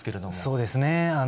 そうですね。